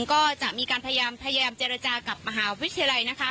ก็จะมีการพยายามเจรจากับมหาวิทยาลัยนะคะ